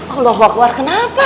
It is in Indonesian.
allahu akbar kenapa